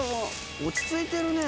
落ち着いてるね。